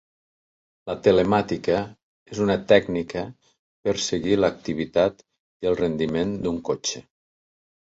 La telemàtica és una tècnica per seguir l'activitat i el rendiment d'un cotxe.